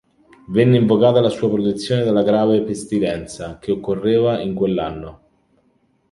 Venne invocata la sua protezione dalla grave pestilenza che occorreva in quell'anno.